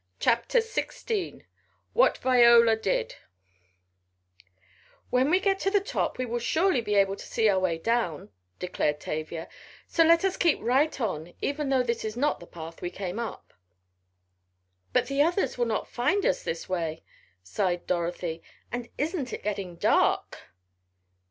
CHAPTER XVI WHAT VIOLA DID "When we get to the top we will surely be able to see our way down," declared Tavia. "So let us keep right on, even though this is not the path we came up." "But the others will not find us this way," sighed Dorothy, "and isn't it getting dark!"